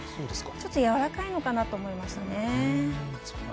ちょっとやわらかいのかなと思いました。